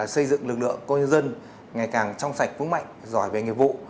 xây dựng lực lượng công an nhân dân ngày càng trong sạch vững mạnh giỏi về nghiệp vụ